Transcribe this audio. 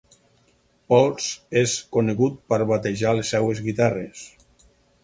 Poltz és conegut per batejar les seves guitarres.